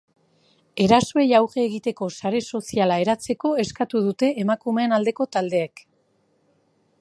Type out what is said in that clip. Erasoei aurre egiteko sare soziala eratzeko eskatu dute emakumeen aldeko taldeek.